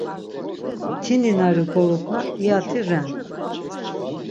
Mtininari gorupna iyati ren.